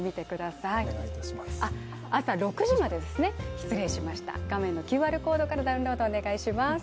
ぜひ画面のＱＲコードからダウンロードお願いします。